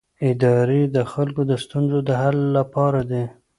ادارې د خلکو د ستونزو د حل لپاره دي